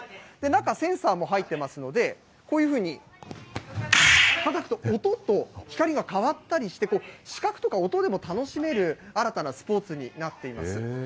中、センサーも入ってますので、こういうふうにはたくと音と光が変わったりして、視覚とか音でも楽しめる新たなスポーツになっています。